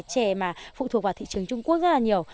chè mà phụ thuộc vào thị trường trung quốc rất là nhiều